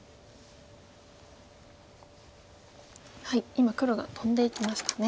今黒がトンでいきましたね。